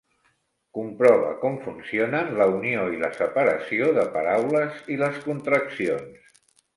Comprove com funcionen la unió i la separació de paraules i les contraccions.